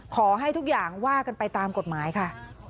ขอให้ทุกอย่างว่ากันไปตามกฎหมายค่ะ